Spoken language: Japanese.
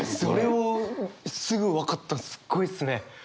それをすぐ分かったのすごいっすね！